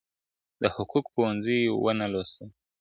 د حقوق پوهنځي ونه لوستله ,